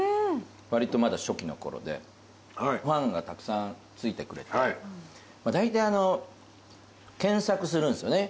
わりとまだ初期の頃でファンがたくさんついてくれてだいたい検索するんですよね